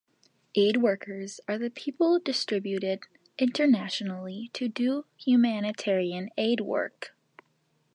Aid Workers are the people distributed internationally to do humanitarian aid work.